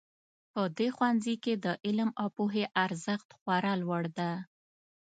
په دې ښوونځي کې د علم او پوهې ارزښت خورا لوړ ده